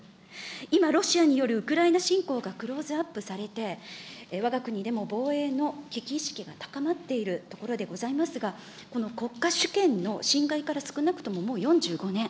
今、ロシアによるウクライナ侵攻がクローズアップされて、わが国でも防衛の危機意識が高まっているところでございますが、この国家主権の侵害から少なくとももう４５年。